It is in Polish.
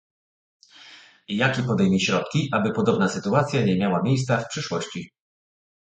Jakie podejmie środki, a by podobna sytuacja nie miała miejsca w przyszłości?